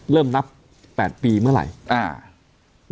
เริ่มนับ๘ปีเมื่อไหร่